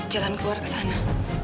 jangan keluar ke sana